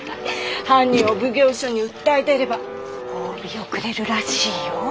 犯人を奉行所に訴え出れば褒美をくれるらしいよ。